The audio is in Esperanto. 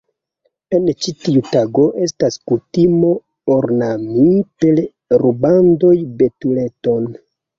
En ĉi tiu tago estas kutimo ornami per rubandoj betuleton.